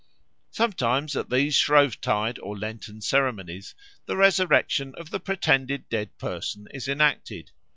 Sometimes at these Shrovetide or Lenten ceremonies the resurrection of the pretended dead person is enacted.